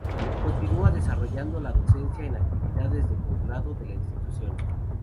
Continúa desarrollando la docencia en actividades de posgrado de la Institución.